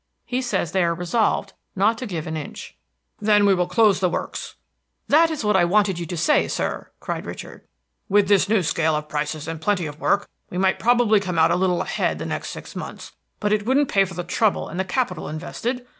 He says they are resolved not to give an inch." "Then we will close the works." "That is what I wanted you to say, sir!" cried Richard. "With this new scale of prices and plenty of work, we might probably come out a little ahead the next six months; but it wouldn't pay for the trouble and the capital invested.